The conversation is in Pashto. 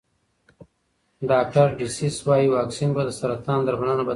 ډاکټر ډسیس وايي واکسین به د سرطان درملنه بدله کړي.